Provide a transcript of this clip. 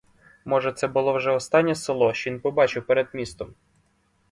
Може, це було вже останнє село, що він побачив перед містом.